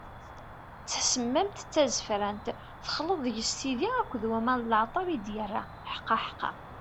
D tasemmamt, d tazefrant, texleḍ deg-s tidi akked waman n leɛṭer i d-yerra, ḥqaḥqa!